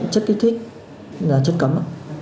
chất kích thích là chất cấm